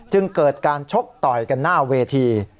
จึงเกิดการชกต่อยกันหน้าเวที